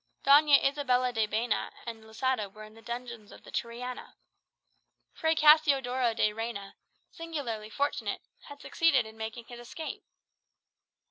Doña Isabella de Baena and Losada were in the dungeons of the Triana. Fray Cassiodoro de Reyna, singularly fortunate, had succeeded in making his escape.